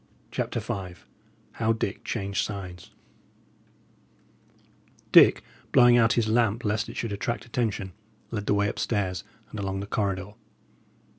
CHAPTER V HOW DICK CHANGED SIDES Dick, blowing out his lamp lest it should attract attention, led the way up stairs and along the corridor.